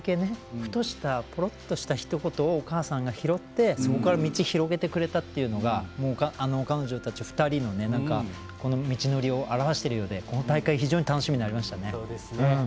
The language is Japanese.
ふとしたぽろっとした、ひと言をお母さんが拾ってそこから道を広げてくれたのが彼女たち２人の道のりを表してるようでこの大会、非常に楽しみになりましたね。